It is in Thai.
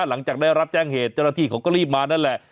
หลังจากได้รับแจ้งเหตุจรฐีเขาก็รีบมานั่นแหละ